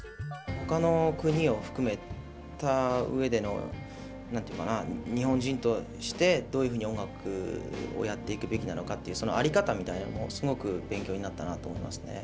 ほかの国を含めた上での何て言うのかな日本人としてどういうふうに音楽をやっていくべきなのかっていうその在り方みたいなのもすごく勉強になったなと思いますね。